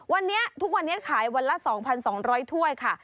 วันนี้ทุกวันนี้ขายวันละ๒๒๐๐ถ้วยค่ะ